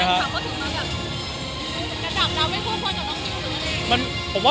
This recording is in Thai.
ขอบคุณค่ะ